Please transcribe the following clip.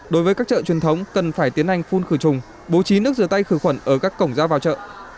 đối với các chợ truyền thống cần phải tiến hành phun khử trùng bố trí nước rửa tay khử khuẩn ở các cổng giao vào chợ